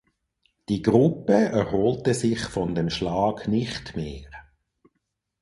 Die Gruppe erholte sich von dem Schlag nicht mehr.